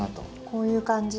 こういう感じ？